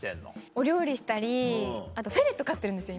お料理したりあとフェレット飼ってるんですよ